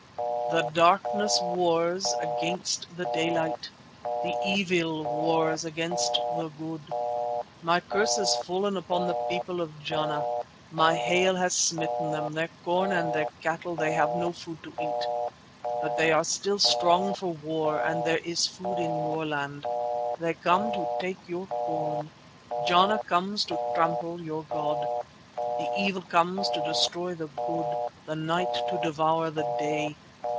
The Darkness wars against the Daylight, the Evil wars against the Good. My curse has fallen upon the people of Jana, my hail has smitten them, their corn and their cattle; they have no food to eat. But they are still strong for war and there is food in your land. They come to take your corn; Jana comes to trample your god. The Evil comes to destroy the Good, the Night to Devour the Day.